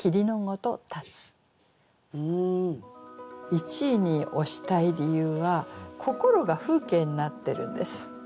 １位に推したい理由は心が風景になってるんです。